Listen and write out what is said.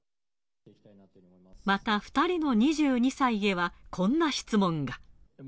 また、２人の２２歳へは、こんな質問が。